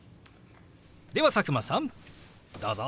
では佐久間さんどうぞ！